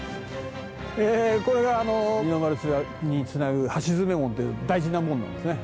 ええこれがあの二の丸につなぐ橋爪門っていう大事な門なんですね。